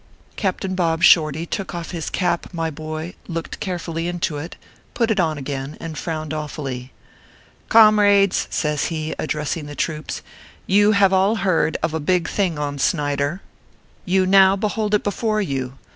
. Captain Bob Shorty took off his cap, my boy, looked carefully into it, put it on again, and frowned awfully. " Comrades," says he, addressing the troops, "you have all heard of a big thing on Snyder. You now behold it before you.